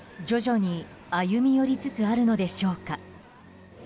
徐々に歩み寄りつつあるのでしょうか。